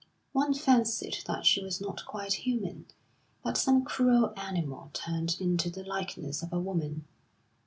One fancied that she was not quite human, but some cruel animal turned into the likeness of a woman.